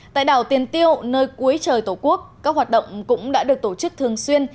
tại đảo tiền tiêu nơi cuối trời tổ quốc các hoạt động cũng đã được tổ chức thường xuyên